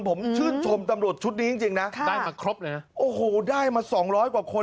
ผมชื่นชมตำรวจชุดนี้จริงนะได้มาครบเลยนะโอ้โหได้มาสองร้อยกว่าคน